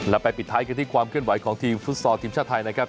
แล้วไปปิดท้ายกันที่ความเคลื่อนไหวของทีมฟุตซอลทีมชาติไทยนะครับ